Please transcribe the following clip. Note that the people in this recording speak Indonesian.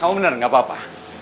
kamu bener nggak apa apa